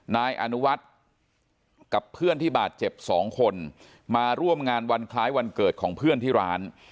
นายอนุวัฒน์กับเพื่อนที่บาดเจ็บสองคนมาร่วมงานวันคล้ายวันเกิดของเพื่อนที่ร้าน